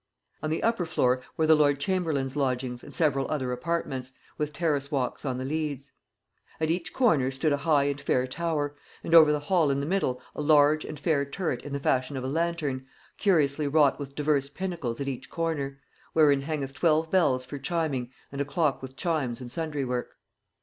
On the upper floor were the lord chamberlain's lodgings and several other apartments, with terrace walks on the leads. At each corner stood a high and fair tower, and over the hall in the middle 'a large and fair turret in the fashion of a lantern, curiously wrought with divers pinnacles at each corner, wherein hangeth 12 bells for chiming and a clock with chimes and sundry work.'